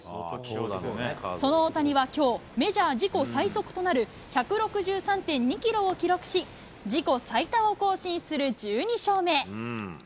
その大谷はきょう、メジャー自己最速となる１６３．２キロを記録し、自己最多を更新する１２勝目。